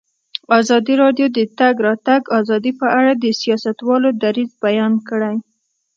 ازادي راډیو د د تګ راتګ ازادي په اړه د سیاستوالو دریځ بیان کړی.